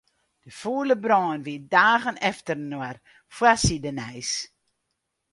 De fûle brân wie dagen efterinoar foarsidenijs.